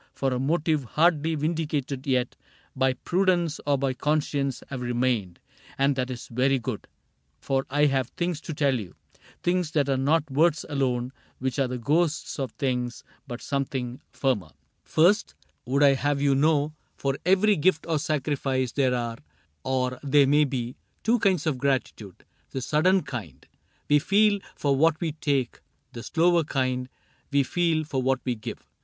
For a motive hardly vindicated yet By prudence or by conscience, have remained ; And that is very good, for I have things To tell you : things that are not words alone Which are the ghosts of things — but something firmer. CAPTAIN CRAIG 5 " First, would I have you know, for every gift Or sacrifice, there are — or there may be — Two kinds of gratitude : the sudden kind We feel for what we take, the slower kind We feel for what we give.